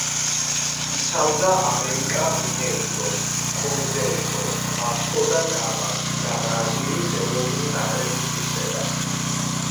იცავდა „ამერიკა მინეიროს“, „კრუზეიროს“, „ვასკო და გამას“ და ბრაზილიის ეროვნული ნაკრების ღირსებას.